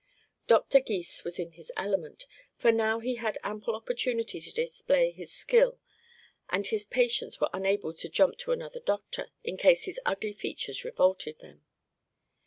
Dr. Gys was in his element, for now he had ample opportunity to display his skill and his patients were unable to "jump to another doctor" in case his ugly features revolted them.